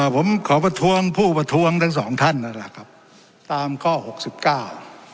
ผมขอประท้วงผู้ประท้วงทั้งสองท่านนั่นแหละครับตามข้อหกสิบเก้า